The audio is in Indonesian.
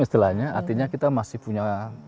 istilahnya artinya kita masih punya